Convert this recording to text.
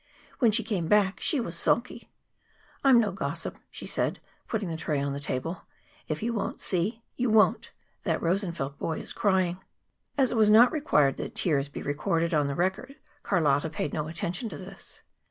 When she came back she was sulky. "I'm no gossip," she said, putting the tray on the table. "If you won't see, you won't. That Rosenfeld boy is crying." As it was not required that tears be recorded on the record, Carlotta paid no attention to this.